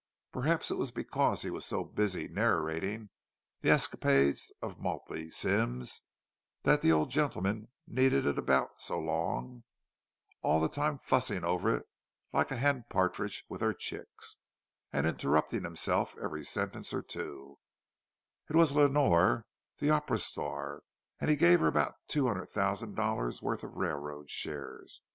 Perhaps it was because he was so busy narrating the escapades of Maltby Symmes that the old gentleman kneaded it about so long; all the time fussing over it like a hen partridge with her chicks, and interrupting himself every sentence or two: "It was Lenore, the opera star, and he gave her about two hundred thousand dollars' worth of railroad shares.